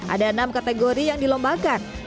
ada enam kategori yang dilombakan